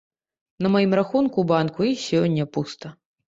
На маім рахунку ў банку і сёння пуста.